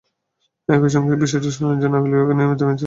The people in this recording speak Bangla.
একই সঙ্গে বিষয়টি শুনানির জন্য আপিল বিভাগের নিয়মিত বেঞ্চে পাঠিয়ে দেন।